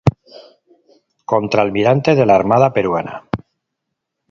Contralmirante de la Armada Peruana.